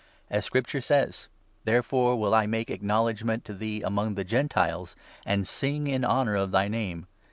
As Scripture says — 4 Therefore will I make acknowledgement to thee among the Gentile And sing in honour of thy Name.'